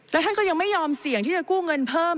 แล้วท่านก็ยังไม่ยอมเสี่ยงที่จะกู้เงินเพิ่ม